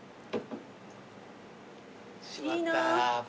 しまった。